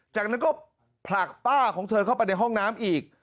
จากนั้นก็ผลักป้าของเธอเข้าไปในห้องน้ำอีก